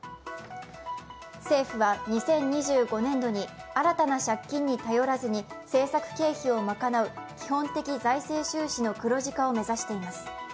政府は２０２５年度に新たな借金に頼らずに政策経費を賄う基礎的財政収支の黒字化を目指しています。